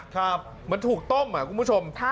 เหมือนถูกต้มคุณผู้ชม